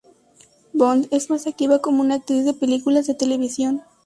Bond es más activa como una actriz de películas de televisión.